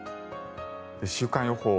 週間予報。